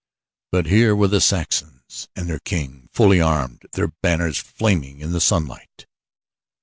But here were the Saxons and their King, fully armed, their banners flaming in the sunlight.